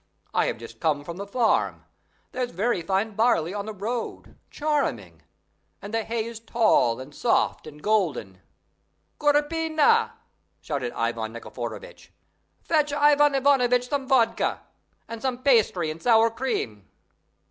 I have just come from the farm. There's very fine barley on the road, charming! and the hay is tall and soft and golden!" "Gorpina!" shouted Ivan Nikiforovitch, "fetch Ivan Ivanovitch some vodka, and some pastry and sour cream!"